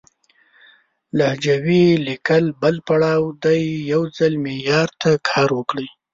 لهجوي ليکل بل پړاو دی، يو ځل معيار ته کار وکړئ!